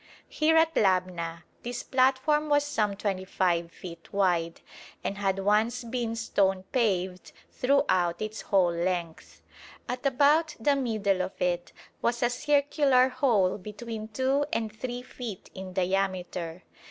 Here at Labna this platform was some 25 feet wide, and had once been stone paved throughout its whole length. At about the middle of it was a circular hole between 2 and 3 feet in diameter.